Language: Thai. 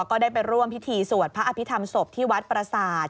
ก็ได้ไปร่วมพิธีสวดพระอภิษฐรรมศพที่วัดประสาท